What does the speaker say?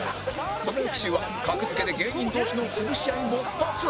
その翌週は格付けで芸人同士の潰し合い勃発！